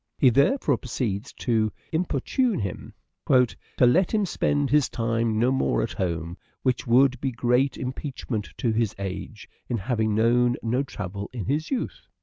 He therefore proceeds to " importune " him, " To let him spend his time no more at home, Which would be great impeachment to his age, In having known no travel in his youth."